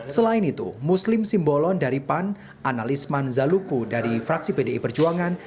selain itu muslim simbolon dari pan analisman zaluku dari fraksi pdi perjuangan